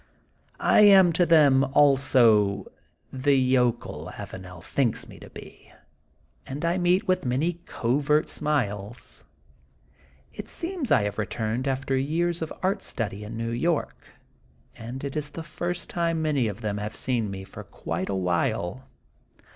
I am to them also the yokel Avanel thinks me to be, and I meet with many covert smiles. It seems I have retnmed after years of art stndy in New York, and it is the first time many of them have seen me for qnite awhile.